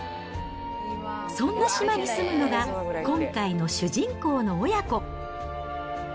そんな島に住むのが、今回の主人公の親子。